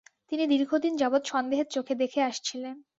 তিনি দীর্ঘদিন যাবৎ সন্দেহের চোখে দেখে আসছিলেন।